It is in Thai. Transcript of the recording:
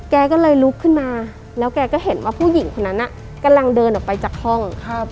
แกก็เลยลุกขึ้นมาแล้วแกก็เห็นว่าผู้หญิงคนนั้นกำลังเดินออกไปจากห้อง